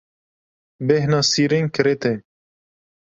Bêhna sîrên kirêt e.